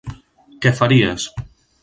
Què faries?